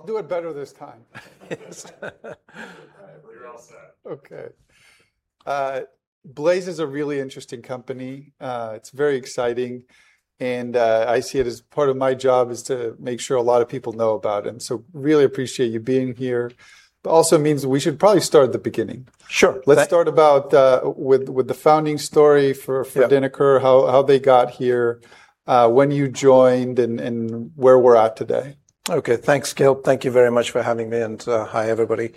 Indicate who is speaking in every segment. Speaker 1: I'll do it better this time.
Speaker 2: You're all set.
Speaker 1: Okay. Blaize is a really interesting company. It's very exciting, and I see it as part of my job is to make sure a lot of people know about it, and so really appreciate you being here, but also means that we should probably start at the beginning.
Speaker 3: Sure.
Speaker 1: Let's start with the founding story.
Speaker 3: Yeah
Speaker 1: for Dinakar, how they got here, when you joined, where we're at today.
Speaker 3: Okay. Thanks, Gil. Thank you very much for having me, hi, everybody.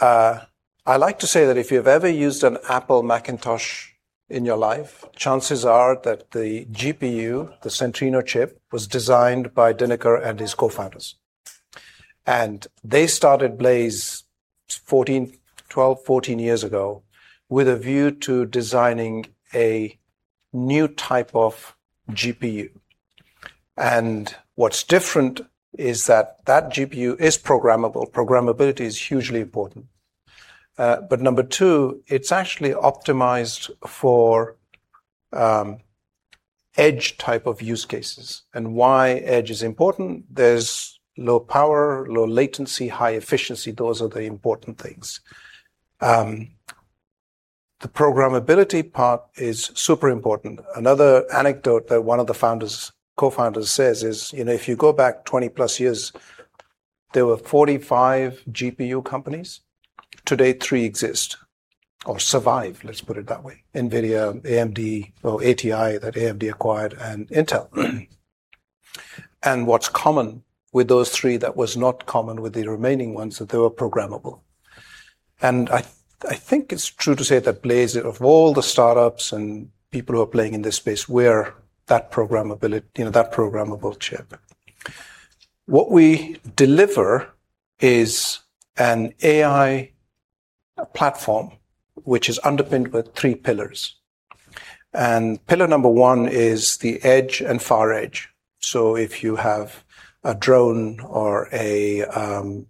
Speaker 3: I like to say that if you've ever used an Apple Macintosh in your life, chances are that the GPU, the Centrino chip, was designed by Dinakar and his co-founders. They started Blaize 12, 14 years ago with a view to designing a new type of GPU. What's different is that that GPU is programmable. Programmability is hugely important. Number two, it's actually optimized for edge type of use cases, why edge is important, there's low power, low latency, high efficiency. Those are the important things. The programmability part is super important. Another anecdote that one of the co-founders says is, if you go back 20+ years, there were 45 GPU companies. To date, three exist or survive, let's put it that way, NVIDIA, AMD, ATI that AMD acquired, Intel. What's common with those three that was not common with the remaining ones, that they were programmable. I think it's true to say that Blaize, of all the startups and people who are playing in this space, we're that programmable chip. What we deliver is an AI platform, which is underpinned with three pillars. Pillar number one is the edge and far edge. If you have a drone or you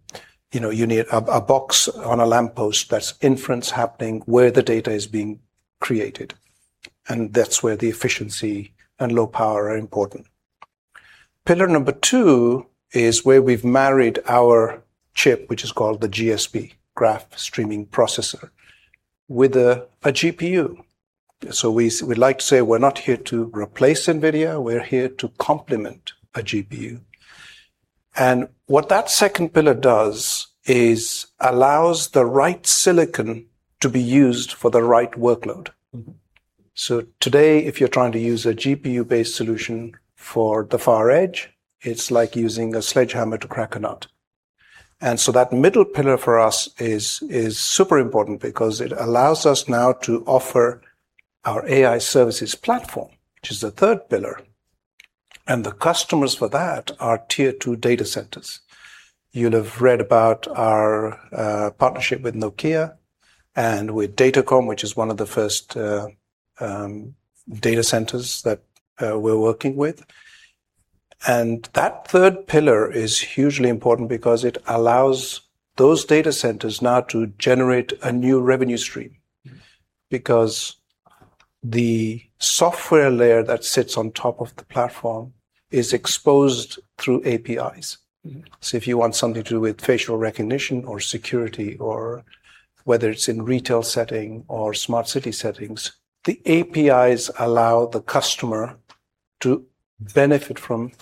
Speaker 3: need a box on a lamppost, that's inference happening where the data is being created, that's where the efficiency and low power are important. Pillar number two is where we've married our chip, which is called the GSP, Graph Streaming Processor, with a GPU. We like to say we're not here to replace NVIDIA, we're here to complement a GPU. What that second pillar does is allows the right silicon to be used for the right workload. Today, if you're trying to use a GPU-based solution for the far edge, it's like using a sledgehammer to crack a nut. That middle pillar for us is super important because it allows us now to offer our AI services platform, which is the third pillar, and the customers for that are Tier 2 data centers. You'll have read about our partnership with Nokia and with Datacom, which is one of the first data centers that we're working with. That third pillar is hugely important because it allows those data centers now to generate a new revenue stream because the software layer that sits on top of the platform is exposed through APIs. If you want something to do with facial recognition or security or whether it's in retail setting or smart city settings, the APIs allow the customer to benefit from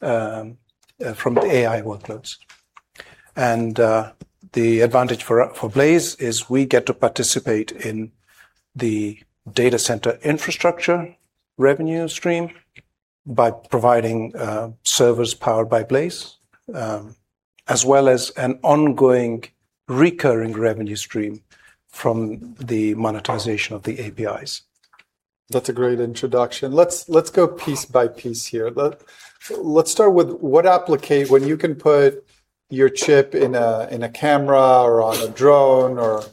Speaker 3: the AI workloads. The advantage for Blaize is we get to participate in the data center infrastructure revenue stream by providing servers powered by Blaize, as well as an ongoing recurring revenue stream from the monetization of the APIs.
Speaker 1: That's a great introduction. Let's go piece by piece here. Let's start with when you can put your chip in a camera or on a drone or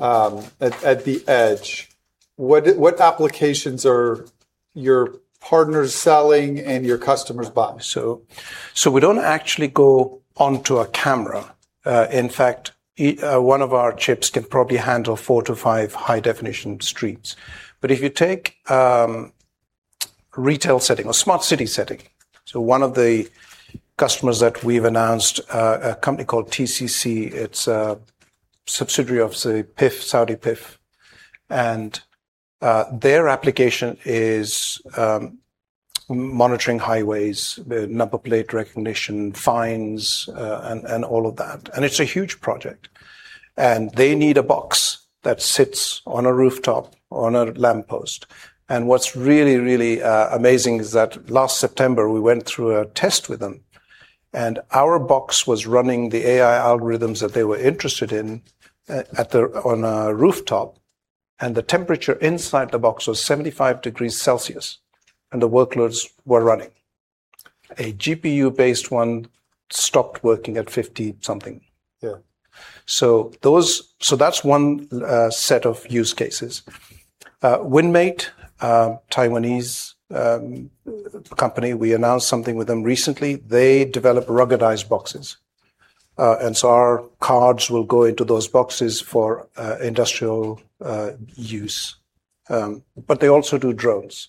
Speaker 1: at the edge, what applications are your partners selling and your customers buying?
Speaker 3: We don't actually go onto a camera. In fact, one of our chips can probably handle four to five high-definition streams. If you take a retail setting or smart city setting, so one of the customers that we've announced, a company called TCC, it's a subsidiary of the PIF, Saudi PIF. Their application is monitoring highways, number plate recognition, fines, and all of that. It's a huge project, and they need a box that sits on a rooftop, on a lamppost. What's really, really amazing is that last September, we went through a test with them, and our box was running the AI algorithms that they were interested in on a rooftop, and the temperature inside the box was 75 degrees Celsius, and the workloads were running. A GPU-based one stopped working at 50 something.
Speaker 1: Yeah.
Speaker 3: That's one set of use cases. Winmate, a Taiwanese company, we announced something with them recently. They develop ruggedized boxes. Our cards will go into those boxes for industrial use. They also do drones.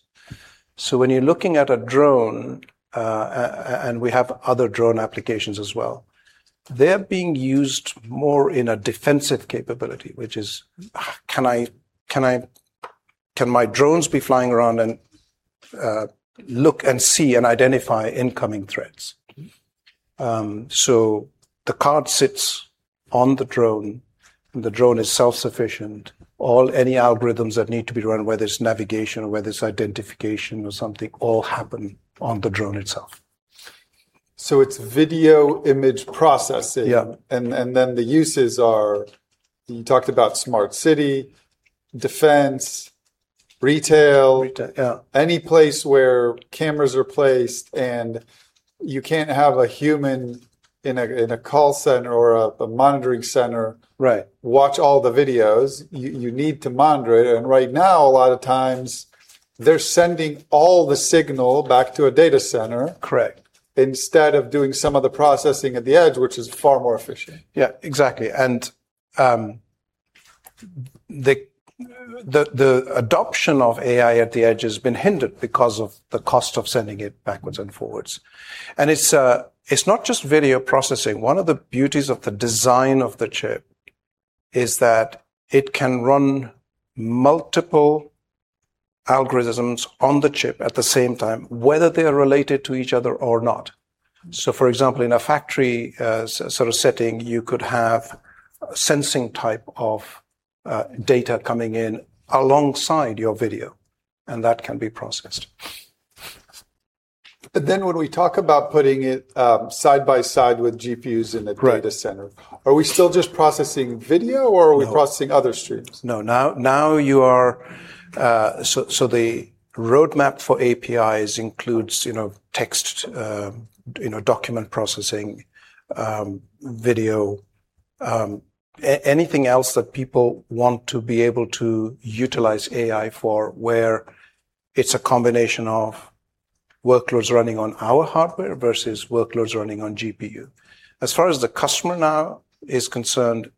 Speaker 3: When you're looking at a drone, and we have other drone applications as well, they're being used more in a defensive capability, which is can my drones be flying around and look and see and identify incoming threats? The card sits on the drone, and the drone is self-sufficient. Any algorithms that need to be run, whether it's navigation or whether it's identification or something, all happen on the drone itself.
Speaker 1: It's video image processing.
Speaker 3: Yeah.
Speaker 1: The uses are, you talked about smart city, defense, retail.
Speaker 3: Retail, yeah.
Speaker 1: Any place where cameras are placed and you can't have a human in a call center or a monitoring center.
Speaker 3: Right
Speaker 1: watch all the videos. You need to monitor it. Right now, a lot of times, they're sending all the signal back to a data center.
Speaker 3: Correct
Speaker 1: instead of doing some of the processing at the edge, which is far more efficient.
Speaker 3: Yeah, exactly. The adoption of AI at the edge has been hindered because of the cost of sending it backwards and forwards. It's not just video processing. One of the beauties of the design of the chip is that it can run multiple algorithms on the chip at the same time, whether they are related to each other or not. For example, in a factory sort of setting, you could have a sensing type of data coming in alongside your video, and that can be processed.
Speaker 1: When we talk about putting it side by side with GPUs in a data center.
Speaker 3: Right
Speaker 1: Are we still just processing video, or are we?
Speaker 3: No
Speaker 1: Processing other streams?
Speaker 3: No. The roadmap for APIs includes text, document processing, video, anything else that people want to be able to utilize AI for, where it's a combination of workloads running on our hardware versus workloads running on GPU. As far as the customer now is concerned,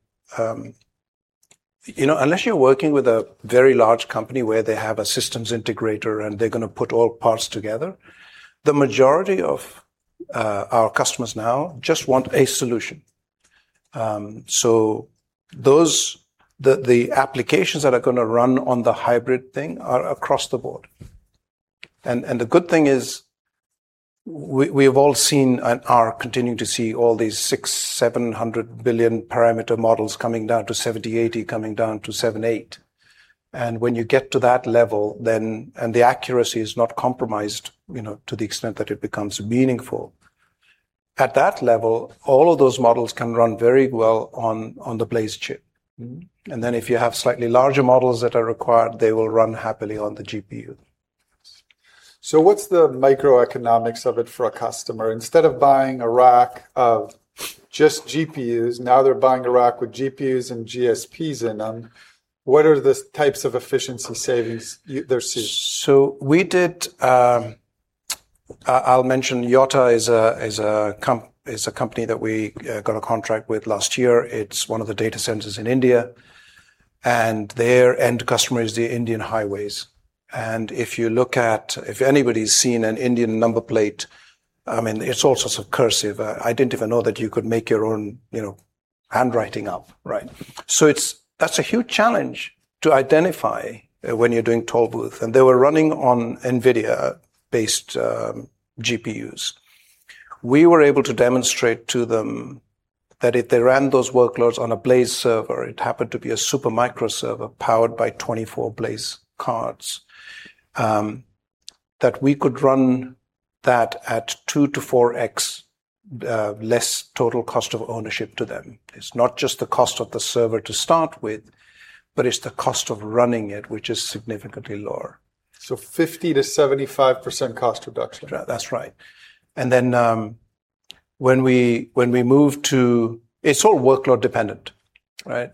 Speaker 3: unless you're working with a very large company where they have a systems integrator and they're going to put all parts together, the majority of our customers now just want a solution. The applications that are going to run on the hybrid thing are across the board. The good thing is we have all seen, and are continuing to see all these 600 billion, 700 billion parameter models coming down to 70, 80, coming down to seven, eight. When you get to that level, and the accuracy is not compromised to the extent that it becomes meaningful. At that level, all of those models can run very well on the Blaize chip. If you have slightly larger models that are required, they will run happily on the GPU.
Speaker 1: What's the microeconomics of it for a customer? Instead of buying a rack of just GPUs, now they're buying a rack with GPUs and GSPs in them. What are the types of efficiency savings they're seeing?
Speaker 3: We did, I'll mention Yotta is a company that we got a contract with last year. It's one of the data centers in India, and their end customer is the Indian highways. If anybody's seen an Indian number plate, it's all sorts of cursive. I didn't even know that you could make your own handwriting up.
Speaker 1: Right.
Speaker 3: That's a huge challenge to identify when you're doing toll booth. They were running on NVIDIA-based GPUs. We were able to demonstrate to them that if they ran those workloads on a Blaize server, it happened to be a Supermicro server powered by 24 Blaize cards, that we could run that at 2x-4x less total cost of ownership to them. It's not just the cost of the server to start with, but it's the cost of running it, which is significantly lower.
Speaker 1: 50%-75% cost reduction.
Speaker 3: That's right. It's all workload dependent, right?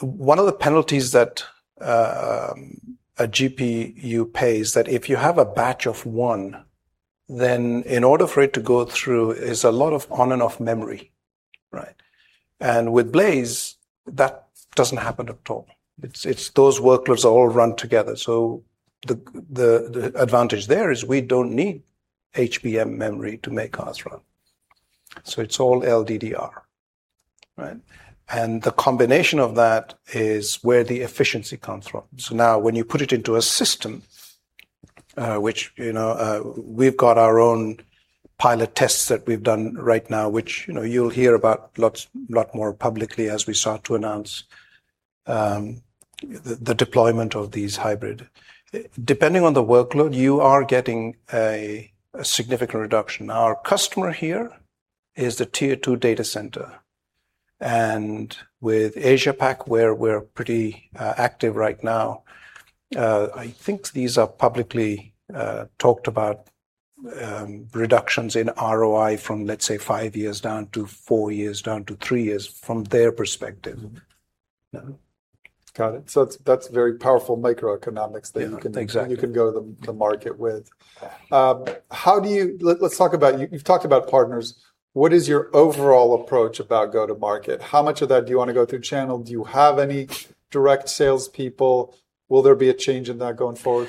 Speaker 3: One of the penalties that a GPU pays, that if you have a batch of one, then in order for it to go through, is a lot of on and off memory.
Speaker 1: Right.
Speaker 3: With Blaize, that doesn't happen at all. It's those workloads all run together. The advantage there is we don't need HBM memory to make ours run. It's all LPDDR.
Speaker 1: Right.
Speaker 3: The combination of that is where the efficiency comes from. Now when you put it into a system, which we've got our own pilot tests that we've done right now, which you'll hear about a lot more publicly as we start to announce the deployment of these hybrid. Depending on the workload, you are getting a significant reduction. Our customer here is the Tier 2 data center, and with Asia Pac, where we're pretty active right now, I think these are publicly talked about reductions in ROI from, let's say, five years down to four years down to three years from their perspective. No.
Speaker 1: Got it. That's very powerful microeconomics.
Speaker 3: Yeah, exactly.
Speaker 1: that you can go to market with.
Speaker 3: Yeah.
Speaker 1: You've talked about partners. What is your overall approach about go to market? How much of that do you want to go through channel? Do you have any direct salespeople? Will there be a change in that going forward?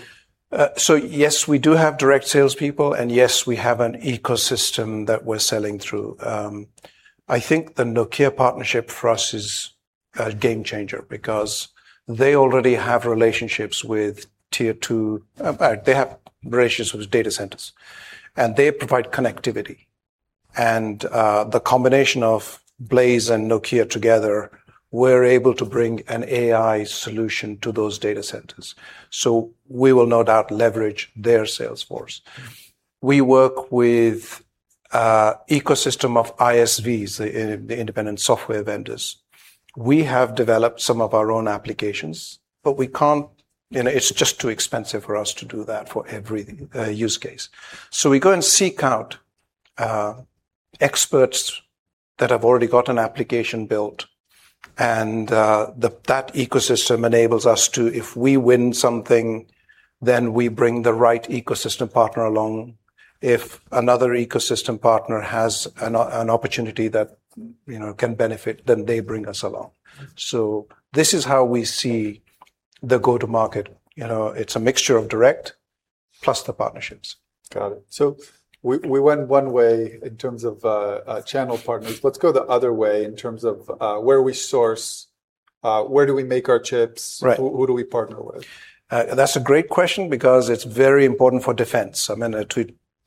Speaker 3: Yes, we do have direct salespeople. Yes, we have an ecosystem that we're selling through. I think the Nokia partnership for us is a game changer because they already have relationships with data centers, and they provide connectivity. The combination of Blaize and Nokia together, we're able to bring an AI solution to those data centers. We will no doubt leverage their sales force. We work with ecosystem of ISVs, the independent software vendors. We have developed some of our own applications, but it's just too expensive for us to do that for every use case. We go and seek out experts that have already got an application built, and that ecosystem enables us to, if we win something, then we bring the right ecosystem partner along. If another ecosystem partner has an opportunity that can benefit, then they bring us along. This is how we see the go to market. It's a mixture of direct plus the partnerships.
Speaker 1: Got it. We went one way in terms of channel partners. Let's go the other way in terms of where we source, where do we make our chips?
Speaker 3: Right.
Speaker 1: Who do we partner with?
Speaker 3: That's a great question because it's very important for defense.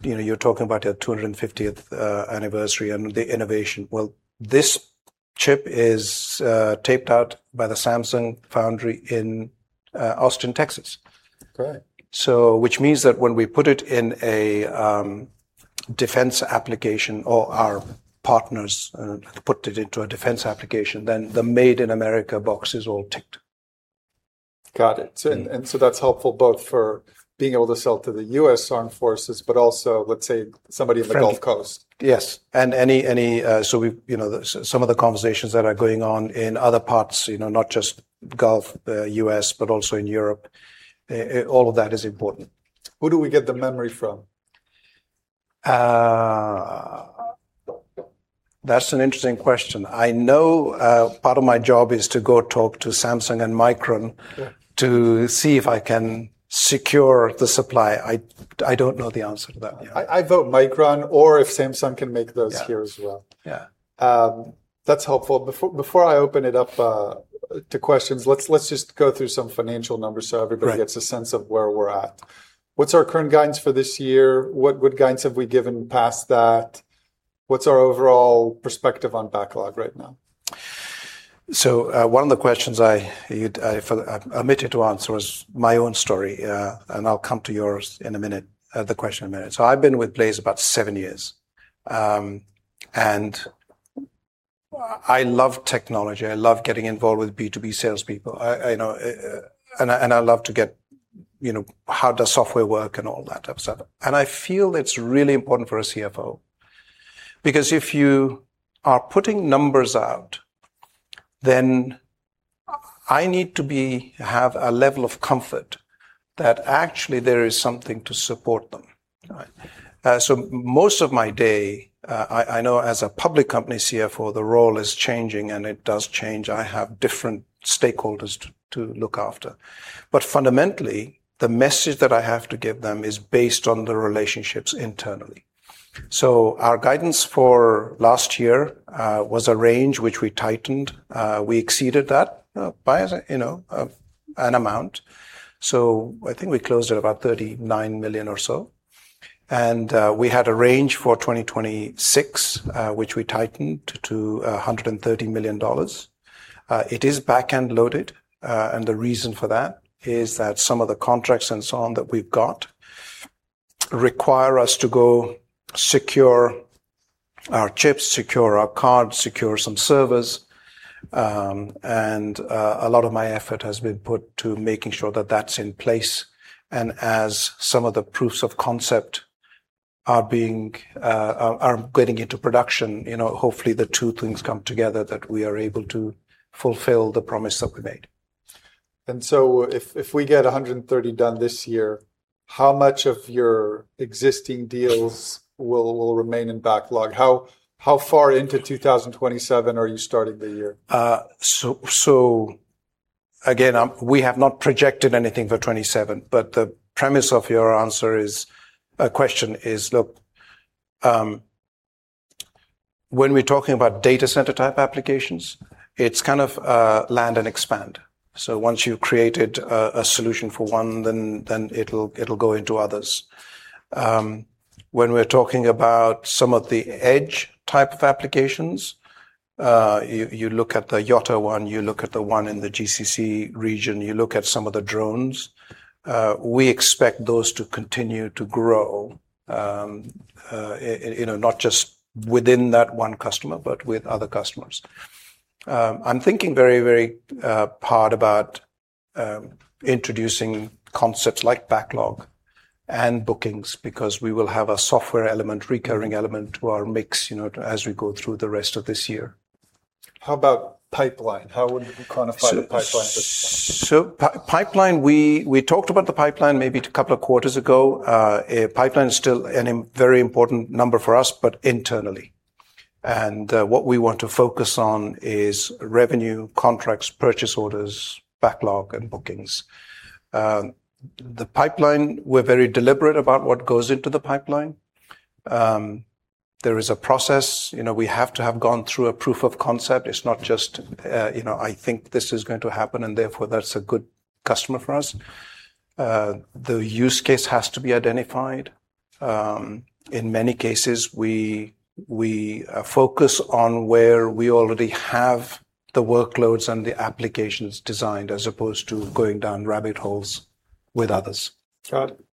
Speaker 3: You're talking about your 250th anniversary and the innovation. Well, this chip is taped out by the Samsung Foundry in Austin, Texas.
Speaker 1: Great.
Speaker 3: Which means that when we put it in a defense application, or our partners put it into a defense application, then the Made in America box is all ticked.
Speaker 1: Got it. That's helpful both for being able to sell to the U.S. Armed Forces, but also, let's say, somebody in the Gulf Coast.
Speaker 3: Yes. Some of the conversations that are going on in other parts, not just Gulf Coast, U.S., but also in Europe. All of that is important.
Speaker 1: Who do we get the memory from?
Speaker 3: That's an interesting question. I know part of my job is to go talk to Samsung and Micron-
Speaker 1: Sure
Speaker 3: to see if I can secure the supply. I don't know the answer to that yet.
Speaker 1: I vote Micron or if Samsung can make those here as well.
Speaker 3: Yeah.
Speaker 1: That's helpful. Before I open it up to questions, let's just go through some financial numbers so everybody.
Speaker 3: Right
Speaker 1: Gets a sense of where we're at. What's our current guidance for this year? What guidance have we given past that? What's our overall perspective on backlog right now?
Speaker 3: One of the questions I omitted to answer was my own story, and I'll come to yours in a minute, the question in a minute. I've been with Blaize about seven years. I love technology. I love getting involved with B2B salespeople. I love to get how does software work and all that type stuff. I feel it's really important for a CFO because if you are putting numbers out, then I need to have a level of comfort that actually there is something to support them.
Speaker 1: Right.
Speaker 3: Most of my day, I know as a public company CFO, the role is changing and it does change. I have different stakeholders to look after. Fundamentally, the message that I have to give them is based on the relationships internally. Our guidance for last year was a range which we tightened. We exceeded that by an amount. I think we closed at about $39 million or so. We had a range for 2026, which we tightened to $130 million. It is backend loaded. The reason for that is that some of the contracts and so on that we've got require us to go secure our chips, secure our card, secure some servers. A lot of my effort has been put to making sure that that's in place and as some of the proofs of concept are getting into production, hopefully the two things come together that we are able to fulfill the promise that we made.
Speaker 1: If we get 130 done this year, how much of your existing deals will remain in backlog? How far into 2027 are you starting the year?
Speaker 3: Again, we have not projected anything for 2027, the premise of your question is, look, when we're talking about data center type applications, it's kind of land and expand. Once you've created a solution for one, then it'll go into others. When we're talking about some of the edge type of applications, you look at the Yotta one, you look at the one in the GCC region, you look at some of the drones, we expect those to continue to grow, not just within that one customer, but with other customers. I'm thinking very, very hard about introducing concepts like backlog and bookings, because we will have a software element, recurring element to our mix, as we go through the rest of this year.
Speaker 1: How about pipeline? How would we quantify the pipeline at this point?
Speaker 3: Pipeline, we talked about the pipeline maybe a couple of quarters ago. Pipeline is still a very important number for us, but internally. What we want to focus on is revenue, contracts, purchase orders, backlog, and bookings. The pipeline, we're very deliberate about what goes into the pipeline. There is a process. We have to have gone through a proof of concept. It's not just, I think this is going to happen, and therefore, that's a good customer for us. The use case has to be identified. In many cases, we focus on where we already have the workloads and the applications designed, as opposed to going down rabbit holes with others.
Speaker 1: Got it.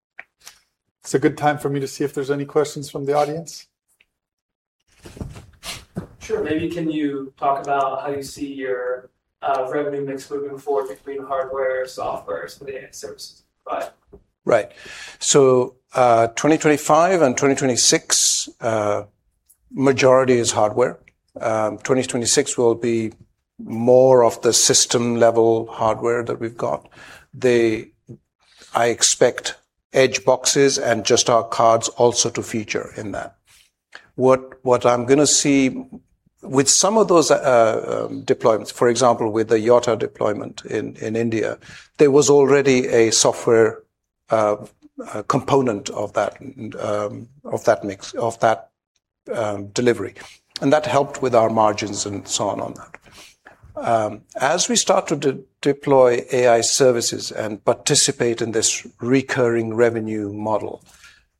Speaker 1: It's a good time for me to see if there's any questions from the audience.
Speaker 4: Sure. Maybe can you talk about how you see your revenue mix moving forward between hardware, software, some of the AI services you provide?
Speaker 3: Right. 2025 and 2026, majority is hardware. 2026 will be more of the system-level hardware that we've got. I expect edge boxes and just our cards also to feature in that. What I'm going to see with some of those deployments, for example, with the Yotta deployment in India, there was already a software component of that mix, of that delivery. That helped with our margins and so on on that. As we start to deploy AI services and participate in this recurring revenue model,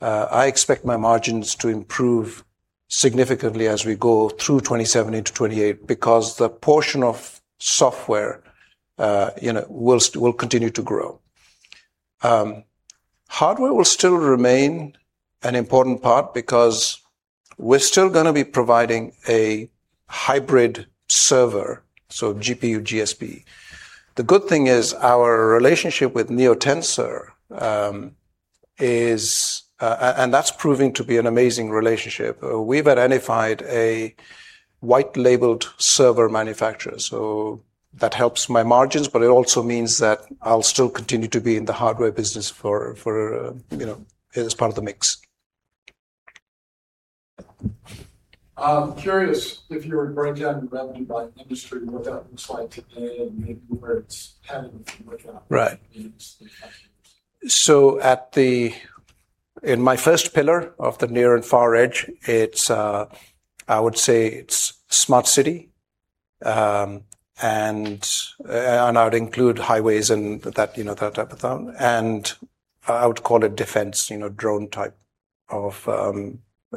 Speaker 3: I expect my margins to improve significantly as we go through 2027 to 2028, because the portion of software will continue to grow. Hardware will still remain an important part because we're still going to be providing a hybrid server, so GPU, GSP. The good thing is our relationship with NeoTensr, that's proving to be an amazing relationship. We've identified a white-labeled server manufacturer, that helps my margins, it also means that I'll still continue to be in the hardware business as part of the mix.
Speaker 4: I'm curious if you were to break down your revenue by industry, what that looks like today and maybe where it's headed, if you look out a few years, the next few years.
Speaker 3: In my first pillar of the near and far edge, I would say it's smart city, I would include highways and that type of thing. I would call it defense, drone type of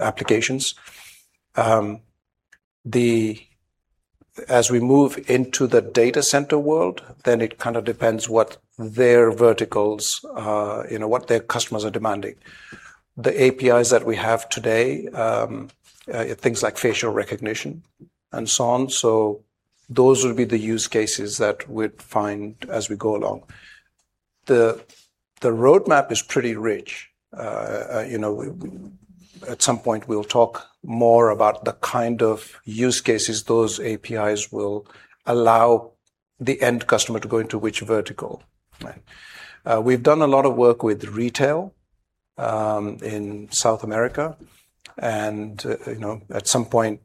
Speaker 3: applications. As we move into the data center world, it kind of depends what their verticals, what their customers are demanding. The APIs that we have today, things like facial recognition and so on. Those will be the use cases that we'd find as we go along. The roadmap is pretty rich. At some point, we'll talk more about the kind of use cases those APIs will allow the end customer to go into which vertical. We've done a lot of work with retail in South America, at some point,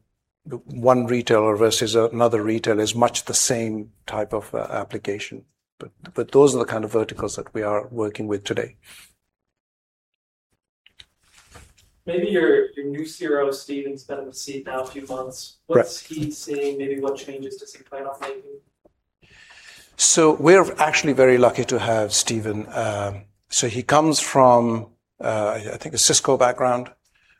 Speaker 3: one retailer versus another retailer is much the same type of application. Those are the kind of verticals that we are working with today.
Speaker 4: Maybe your new CRO, Stephen, has been in the seat now a few months.
Speaker 3: Right.
Speaker 4: What's he seeing? Maybe what changes does he plan on making?
Speaker 3: We're actually very lucky to have Stephen. He comes from, I think, a Cisco background,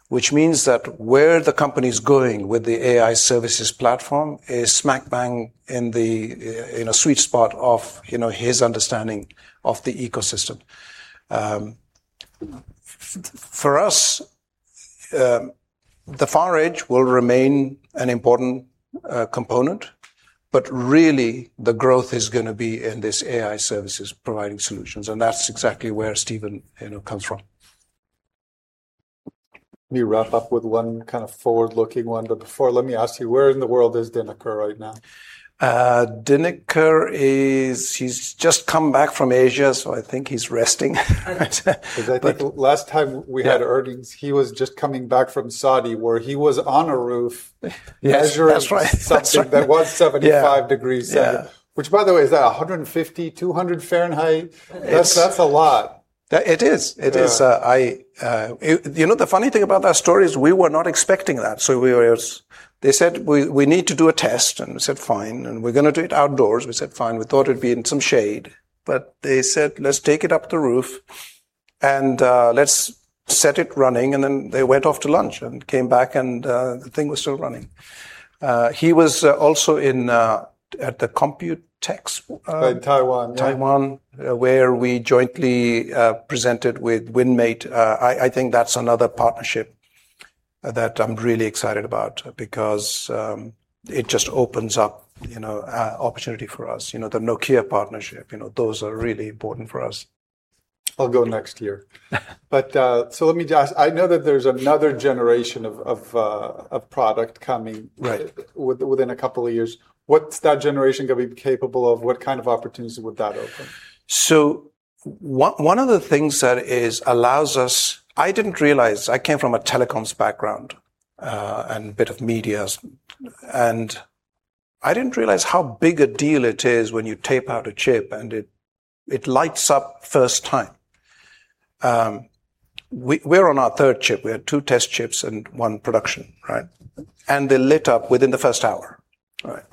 Speaker 3: which means that where the company's going with the AI services platform is smack bang in a sweet spot of his understanding of the ecosystem. For us, the far edge will remain an important component, but really the growth is going to be in this AI services providing solutions, that's exactly where Stephen comes from.
Speaker 1: Let me wrap up with one kind of forward-looking one. Before, let me ask you, where in the world is Dinakar right now?
Speaker 3: Dinakar, he's just come back from Asia, I think he's resting.
Speaker 1: Because I think last time we had earnings, he was just coming back from Saudi, where he was on a roof
Speaker 3: Yes, that's right
Speaker 1: measuring something that was 75 degrees.
Speaker 3: Yeah.
Speaker 1: Which by the way, is that 150, 200 Fahrenheit?
Speaker 3: It's-
Speaker 1: That's a lot.
Speaker 3: It is.
Speaker 1: Yeah.
Speaker 3: The funny thing about that story is we were not expecting that. They said, "We need to do a test." We said, "Fine." "We're going to do it outdoors." We said, "Fine." We thought it'd be in some shade. They said, "Let's take it up the roof and let's set it running." They went off to lunch and came back, and the thing was still running. He was also at the Computex-
Speaker 1: In Taiwan, yeah
Speaker 3: Taiwan, where we jointly presented with Winmate. I think that's another partnership that I'm really excited about because it just opens up opportunity for us. The Nokia partnership, those are really important for us.
Speaker 1: I'll go next here. I know that there's another generation of product coming.
Speaker 3: Right
Speaker 1: Within a couple of years. What's that generation going to be capable of? What kind of opportunity would that open?
Speaker 3: I didn't realize, I came from a telecoms background, and a bit of medias, and I didn't realize how big a deal it is when you tape out a chip and it lights up first time. We're on our third chip. We had two test chips and one production.
Speaker 1: Right.
Speaker 3: They lit up within the first hour.
Speaker 1: Right.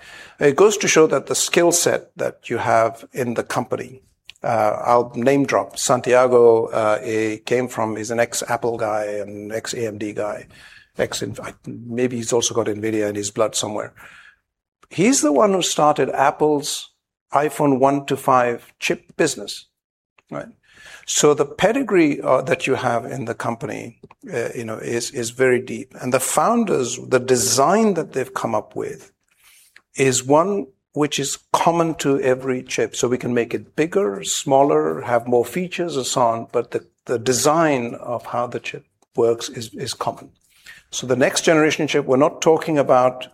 Speaker 3: It goes to show that the skill set that you have in the company, I'll name drop. Santiago came from, he's an ex-Apple guy, an ex-AMD guy, maybe he's also got NVIDIA in his blood somewhere. He's the one who started Apple's iPhone one to five chip business.
Speaker 1: Right.
Speaker 3: The pedigree that you have in the company is very deep. The founders, the design that they've come up with is one which is common to every chip. We can make it bigger, smaller, have more features, and so on, but the design of how the chip works is common. The next generation chip, we're not talking about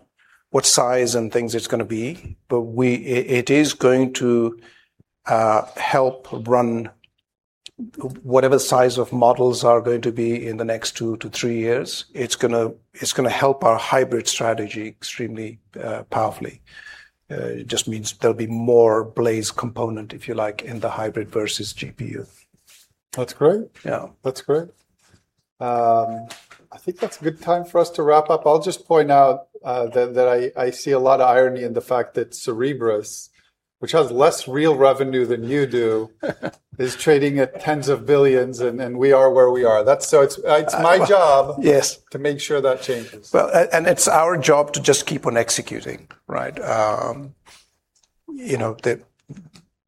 Speaker 3: what size and things it's going to be, but it is going to help run whatever size of models are going to be in the next two to three years. It's going to help our hybrid strategy extremely powerfully. It just means there'll be more Blaize component, if you like, in the hybrid versus GPU.
Speaker 1: That's great.
Speaker 3: Yeah.
Speaker 1: That's great. I think that's a good time for us to wrap up. I'll just point out that I see a lot of irony in the fact that Cerebras, which has less real revenue than you do- is trading at tens of billions and we are where we are. It's my job-
Speaker 3: Yes
Speaker 1: to make sure that changes.
Speaker 3: Well, it's our job to just keep on executing, right?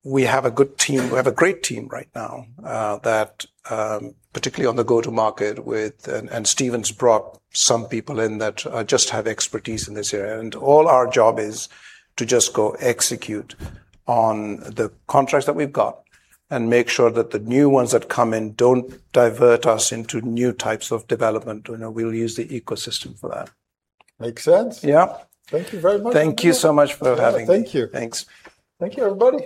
Speaker 3: We have a good team, we have a great team right now, particularly on the go-to-market with, Stephen's brought some people in that just have expertise in this area. All our job is to just go execute on the contracts that we've got and make sure that the new ones that come in don't divert us into new types of development, and we'll use the ecosystem for that.
Speaker 1: Makes sense.
Speaker 3: Yeah.
Speaker 1: Thank you very much.
Speaker 3: Thank you so much for having me.
Speaker 1: Thank you.
Speaker 3: Thanks.
Speaker 1: Thank you, everybody.